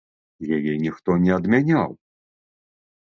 Яе ніхто не адмяняў!